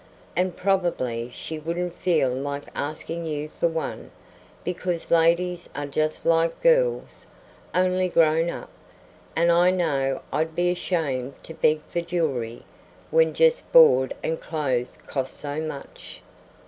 And probably she wouldn't feel like asking you for one, because ladies are just like girls, only grown up, and I know I'd be ashamed to beg for jewelry when just board and clothes cost so much.